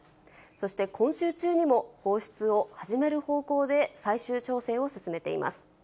そして今週中にも放出を始める方向で最終調整を進めています。